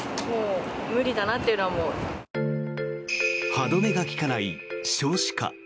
歯止めが利かない少子化。